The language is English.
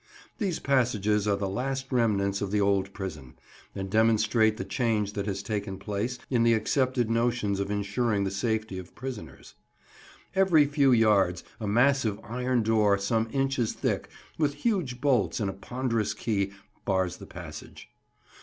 These passages are the last remnants of the old prison, and demonstrate the change that has taken place in the accepted notions of insuring the safety of prisoners. Every few yards a massive iron door some inches thick, with huge bolts and a ponderous key, bars the passage.